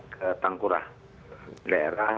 ke tangkurah daerah